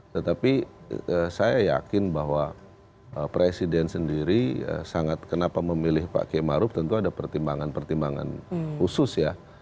tetapi saya yakin bahwa presiden sendiri sangat kenapa memilih pak k maruf tentu ada pertimbangan pertimbangan khusus ya